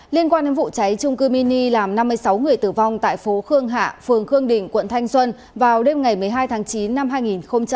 liên quan đến vụ cháy trung cư mini làm năm mươi sáu người tử vong tại phố khương hạ phường khương đình quận thanh xuân vào đêm ngày một mươi hai tháng chín